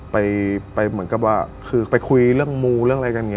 ไปคุยเรื่องมูเรื่องอะไรกัน